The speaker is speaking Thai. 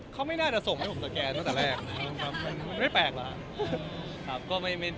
เขาไม่น่าจะส่งให้ผมสแกนตั้งแต่แรก